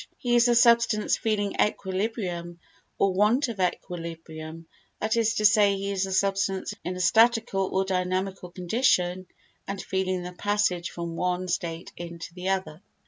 He is a substance feeling equilibrium or want of equilibrium; that is to say, he is a substance in a statical or dynamical condition and feeling the passage from one state into the other.